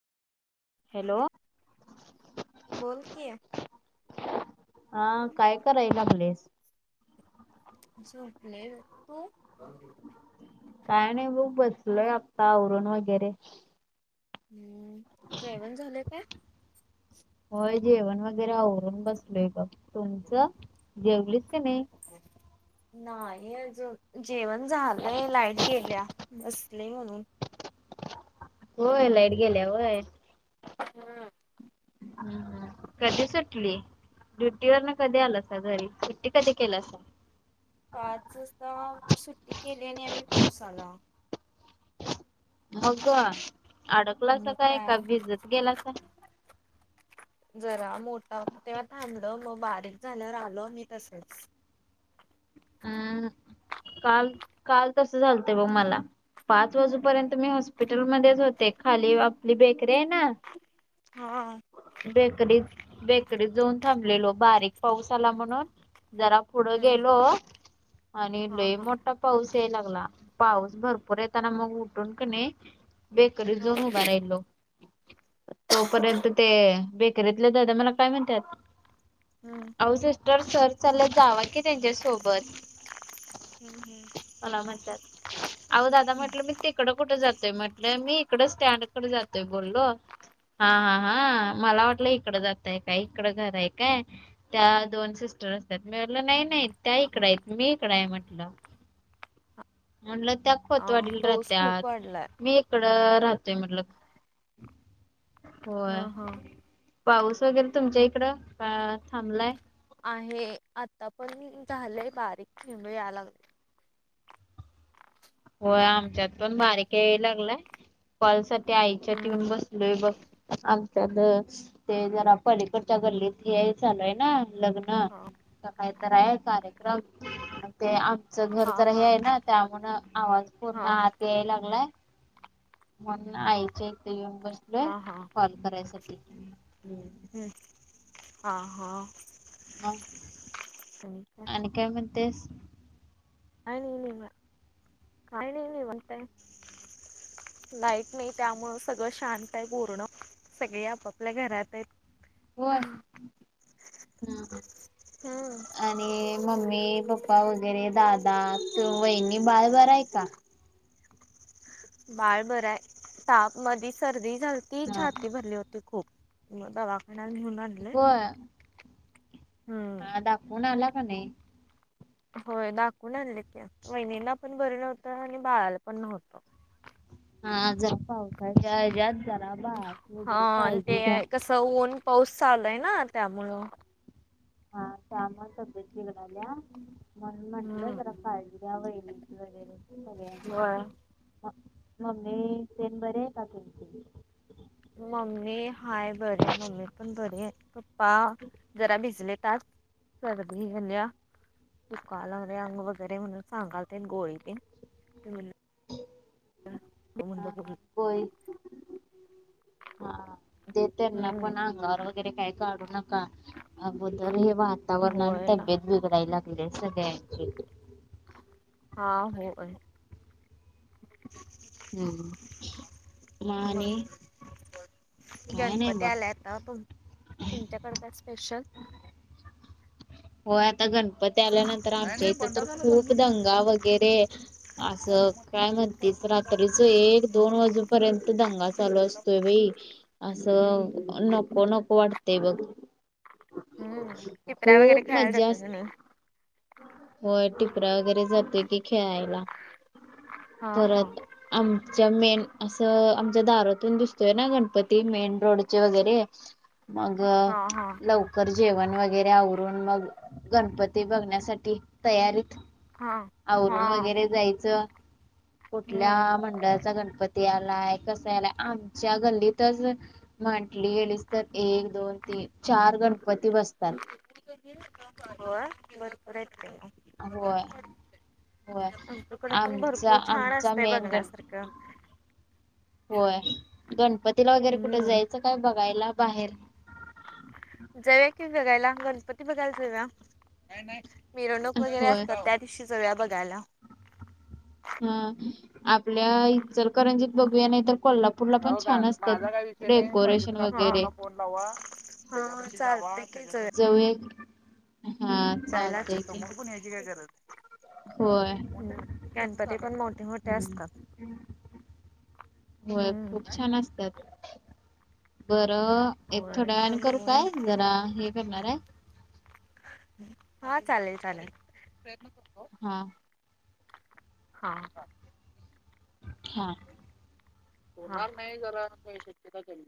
Hello बोल कि हा काय करायल लागलेस झोपले तू. काय नाही ब बसलय आपता आवरण वगैरे. हम्म जेवण झालंय का. होय जेवण वगैरे आवरून बसलोय ग तुमचं जेवलीस की नाही. नाही अजून जेवण झालंय लाईट गेल्या बसली म्हणून. होय लाईट गेल्या होय. ह हा. हम् कधी सुटली. ड्युटीवर न कधी आलं अस घरी सुट्टी कधी केलं अस. पाच वाजता सुट्टी केली आणि आम्ही पाोसाला. हो का अडकला अस काय का भिजत गेलासा. जरा मोठा होता तेव्हा थांबलं मग बारीक झाल्यार आल मी तसच. हम् काल काल तस चालतंय बघ मला. पाच वाजूपर्यंत मी हॉस्पिटलमध्येध्येच होते खाली आपली बेकरी आहे ना. हा. बेकरी बेकरीत जाऊन थांबलेलो बारीक पाऊस आला म्हणून जरा. पुढं हम्म गेलो. आणि हा लोई हा मोठा पाऊस याय लागला पाऊस भरपूर येताना मग उठून क नाही. बेक हा झोनू बाराहिलो. तोपर्यंत ते बेकरीतले ज मला काय म्हणतात. हम्म अह सिस्टर सर ला जावा की त्यांच्यासोबत. हम्म चलात हद म्हटलं मी. तिककडं कुठं जातोय म्हटलं मी इकड स्टँड कडे जातोय बोललो. हा हा हा मला वाटलं इकडं जातय काय इकडं घरय काय. त्या दोन सिस्टर असतात मीलं नाही नाही. त्या हा इकडं हा आहेत मी इकडं आहे म्हटलं म्हटलं त्या. हा खोतवाडील पाऊस खूप राहत्यात वाढलाय मी. इकड राहतेय म्हटल होय. हा हा पाऊस वगैरे तुमच्या इकडं थांबलाय. आहे आता पण झालेय बारीक थेंड या लागले. होय आमच्यात पण बारीक या लागलाय कॉल सा आईच्या ट हम्म येऊन बसलोय बघ. आमच्या ते जरा पलीकडच्या गल्लीत हे चालय ना लग्न. हा. काही तर आहे कार्यक्रम ते आमचं घर हा तर हा हे आहे ना त्यामुं. ह पूर्ण हा आत येलंगला. मण आईच इथे येऊन बसलोय हा हा कॉल करायसाठी ह. हम्म हा हा. ह आणि काय म्हणतेस. का नाहीन काय नाही नाही मत. [inaudible] लाईट नाही त्यामुळे सगळं शांत आहे पूर्ण सगळे आपापल्या घरात आहेत. हो हम. हा. आणि मम्मी पप्पा वगैरे दादा त वहिणी बाळभरा आहे का. बाळ बर ताप मध सर्दी झालती हा. छाती भरली होती खूप. दवाखना घऊूनले होय हम्म. हा दाखवून आला का नाही. होय दाखवून आणले ते वहिणीला पण बर नव्हतं आणि बाळाला पण नव्हतं. हा जरा पावसाच्या हजत जरा भात हा वगैरे आणि पाळजे घ्या. ते कसं ऊन पाऊस चाललाय ना त्यामुळं. हा त्यामुळं तब्येत बिघडल्या. म्हणून म्हंटलं हम्म जरा काळज्या वहिणीची वगैरे सगळ्यांची. होय मम्मी तेन बर हाय का तुमची. मम्मी हाय बर आहे मम्मी पण बरी आहे पप्पा. जरा भिजले तात सर्दी झाल्या. दुखायला लागले अंग वगैरे म्हणून सांगाल ते गोळी तेन हम. तरण ब हा ग [unintelligible] होय हा ते त्यांना पण अंग ब वगैरे काय काढू नका अगोदर हे वातावरण आणि होय ना तब्येत बी बिघडायला लागल्या सगळ्यांची. हा हो आहे. हम मा मग आणि. काय नाही गणपती बघ आला आता तुम तुमच्याकडे काय स्पेशल. हो आता गण पती त्याल्यानंतर आमच्या इथं तर खूप दंगा वगैरे असं. काय म्हणतीस रात्रीच एक दोन वाजूपर्यंत दंगा चालू असतोय बाई. असं नको नको वाटतेय बघ. हम्म टीपऱ्या वगैरे. खूप खेळायला मज्जा जाता का असते नाही होय टिपरा वगैरे जात. ये की खेळायला हा हा परत. आमच्या मेन असं आमच्या दारातून दिसतोय ना गणपती मेन रोडचे वगैरे. मग हा हा लवकर जेवण वगैरे आवरून मग. गणपती बघण्यासाठी तयारीत. हा. हा आवरून वगैरे जायचं कुठल्या हम्म मंडळाचा गणपती. त्यालाय कसयलाय आमच्या गल्लीतच. म्हटली गेलीस तर एक दोन तीन चार गणपती बसतात. होय भरपूर आहेत की ग. अग होय. होय आमच्याकडे पण आमचा भरपूर छान आमचा असतंय मेन गणपती. बघण्यासारखं होय गणपतीला वगैरे कुठे हम्म जायचं काय बघायला बाहेर. जाऊया कि बघायला गणपती बघायला जाऊया. मिरवणूक वगैरे होय असतात त्या दिवशी जाऊया बघायला. हम आपल्या जर करंजीत बघूया नाही तर. कोल्हापूरला पण हो का छान असतात माझा काय विषय नाही पाहिजे डेकोरेशन तर वगैरे आपला फोन लावा. हा मग चालतय की जाऊया. जाऊया की. हा जायलाच चालतंय होछतो [unintelligible] की मड पण याची काय गरज होय गणपती पण मोठे मोठे हम्म असतात. होय हम्म खूप छान असतात. बरं एक थोड्या होय वेळाने जाऊन करू बघूया काय जरा हे करणार आहे. हा चालेल चालेल. हा. हा बर. हा. होणार नाही जरा काही शक्यता कमी.